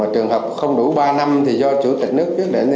trường hợp không đủ ba năm thì do chủ tịch nước quyết định